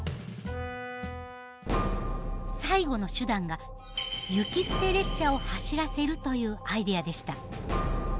最後の手段が雪捨て列車を走らせるというアイデアでした。